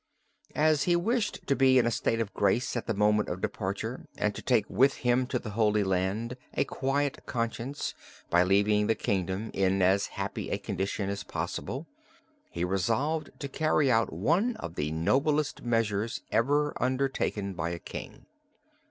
"As he wished to be in a state of grace at the moment of departure, and to take with him to the Holy Land a quiet conscience by leaving the kingdom in as happy a condition as possible, he resolved to carry out one of the noblest measures ever undertaken by a king.